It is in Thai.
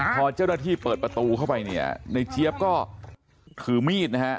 พอเจ้าหน้าที่เปิดประตูเข้าไปเนี่ยในเจี๊ยบก็ถือมีดนะฮะ